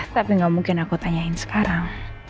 tapi gak mungkin aku tanyain sekarang